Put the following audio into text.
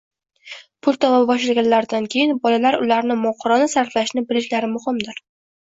Pul topa boshlaganlaridan keyin bolalar ularni mohirona sarflashni bilishlari muhimdir.